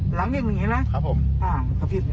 หลังอย่างหนึ่งเห็นไหมครับผม